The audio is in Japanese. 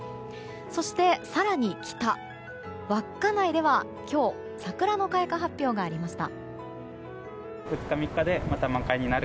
そして更に北、稚内では今日、桜の開花発表がありました。